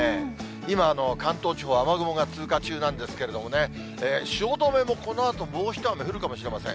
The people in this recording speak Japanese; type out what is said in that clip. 今、関東地方、雨雲が通過中なんですけれどもね、汐留もこのあともう一雨降るかもしれません。